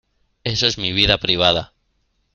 eso es mi vida privada.